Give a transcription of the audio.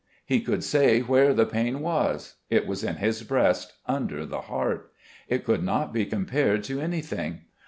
He could say where the pain was. It was in his breast, under the heart. It could not be compared to anything.